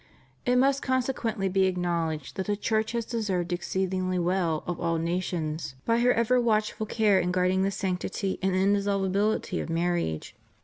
It must consequently be acknowledged that the Church has deserved exceedingly well of all nations by her ever watchful care in guarding the sanctity and the indis solubility of marriage.